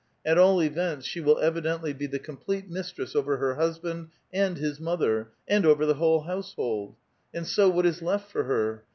at all events, she will evidently be the complete mistress over her husband and his mother, and over the whole household ; and so, what is left for her?